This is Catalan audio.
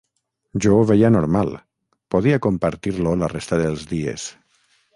Jo ho veia normal; podia compartir-lo la resta dels dies.